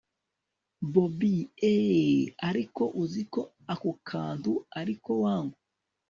bobi eeeeeh! ariko uziko ako kantu ariko wangu